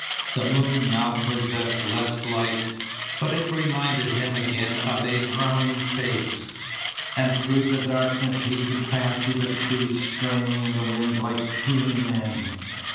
The moon now possessed less light, but it reminded him again of a drowning face, and through the darkness he could fancy the trees straining in the wind like puny men.